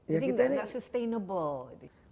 jadi enggak sustainable